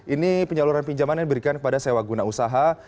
ini penyaluran pinjaman yang diberikan kepada sewa guna usaha